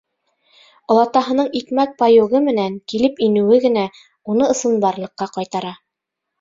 Олатаһының икмәк паёгы менән килеп инеүе генә уны ысынбарлыҡҡа ҡайтара.